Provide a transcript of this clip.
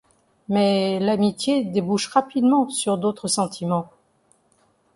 Mais l'amitié débouche rapidement sur d'autres sentiments.